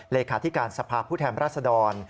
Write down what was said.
เลขาธิการสภาพผู้แทนรัศดร